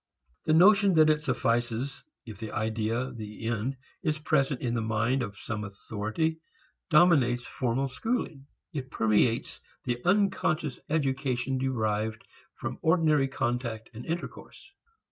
The notion that it suffices if the idea, the end, is present in the mind of some authority dominates formal schooling. It permeates the unconscious education derived from ordinary contact and intercourse.